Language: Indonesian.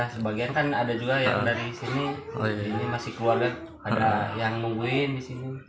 sebagian kan ada juga yang dari sini ini masih keluarga ada yang nungguin di sini